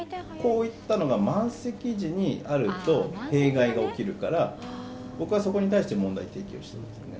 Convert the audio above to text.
こういったことが満席時にあると弊害が起きるから、僕はそこに対して問題提起してるんですよね。